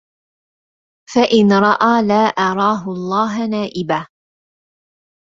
فإن رأى لا أراه الله نائبة